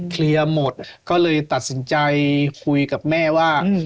เคลียร์หมดก็เลยตัดสินใจคุยกับแม่ว่า